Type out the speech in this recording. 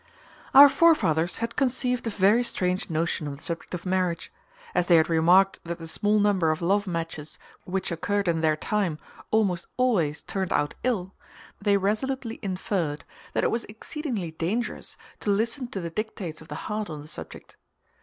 Our forefathers had conceived a very strange notion on the subject of marriage: as they had remarked that the small number of love matches which occurred in their time almost always turned out ill, they resolutely inferred that it was exceedingly dangerous to listen to the dictates of the heart on the subject.